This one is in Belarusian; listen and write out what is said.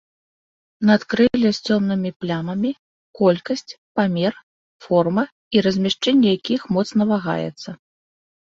Надкрылле з цёмнымі плямамі, колькасць, памер, форма і размяшчэнне якіх моцна вагаецца.